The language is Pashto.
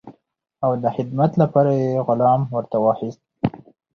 او د خدمت لپاره یې غلام ورته واخیست.